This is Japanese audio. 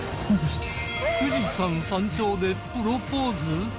富士山山頂でプロポーズ！？